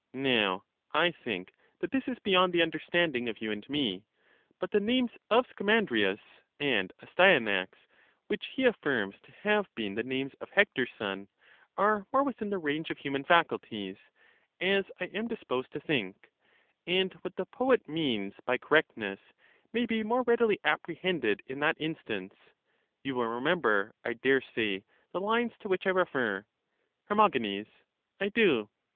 Now, I think that this is beyond the understanding of you and me ; but the names of Scamandrius and Astyanax, which he affirms to have been the names of Hector's son, are more within the range of human faculties, as I am disposed to think ; and what the poet means by correctness may be more readily apprehended in that instahce : you will remember I dare say the lines to which I refer 2. Her. I do.